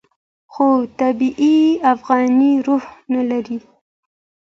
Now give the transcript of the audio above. خو طبیعي افغاني روح نه لري.